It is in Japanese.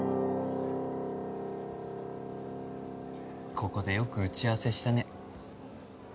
ここでよく打ち合わせしたね。